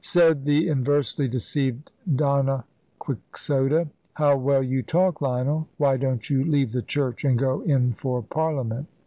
Said the inversely deceived Donna Quixota: "How well you talk, Lionel! Why don't you leave the Church and go in for Parliament?"